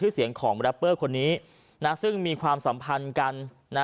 ซึ่งมีความสัมพันธ์กัน